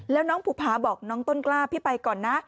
แล้วน้องภูผาบอกน้องต้นกล้าพี่ไปก่อนนะ